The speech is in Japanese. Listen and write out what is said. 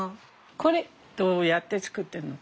これどうやって作ってるの？